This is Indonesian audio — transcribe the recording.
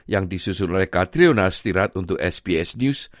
yang disusun oleh katriona stirat untuk sbs news